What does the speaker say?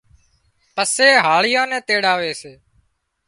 پسي هاۯيائان نين تيڙاوي سي